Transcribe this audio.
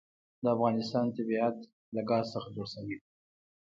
د افغانستان طبیعت له ګاز څخه جوړ شوی دی.